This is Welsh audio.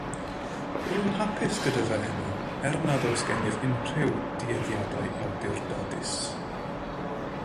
Rwy'n hapus gyda fy enw, er nad oes gennyf unrhyw dueddiadau awdurdodus.